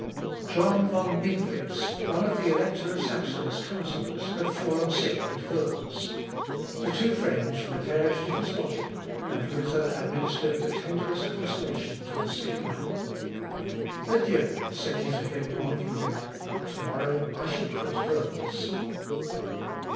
John von Minkwitz, one of the Elector of Saxony's counsellors, had fallen sick at Worms. The two friends repaired to his lodging, and Luther administered the tenderest consolation to the sick man. "Adieu," said he to him on leaving, "to morrow I shall quit Worms."